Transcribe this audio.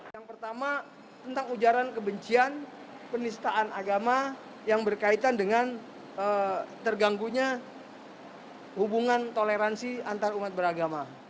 yang pertama tentang ujaran kebencian penistaan agama yang berkaitan dengan terganggunya hubungan toleransi antarumat beragama